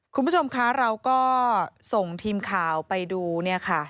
คุณผู้ชมคะเราก็ส่งทีมข่าวไปดูเนี่ยค่ะ